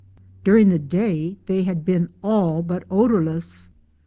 During the day they had been all but odorless.